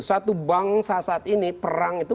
satu bangsa saat ini perang itu